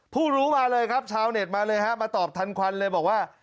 ผู้รู้มาเลยครับชาวเน็ตมาเลยฮะมาตอบทันควันเลยบอกว่า